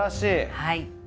はい。